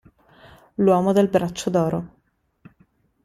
L'uomo dal braccio d'oro